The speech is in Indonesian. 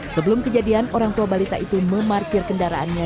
sebelum kejadian orang tua balita itu memarkir kendaraannya